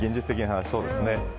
現実的な話、そうですね。